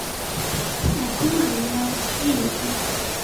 এখন গলার আওয়াজটা এরকম।